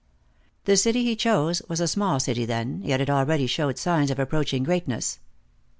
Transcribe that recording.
The city he chose was a small city then, yet it already showed signs of approaching greatness.